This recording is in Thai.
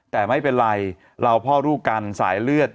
แต่ไม่เป็นไรเราพ่อลูกกันสายเลือด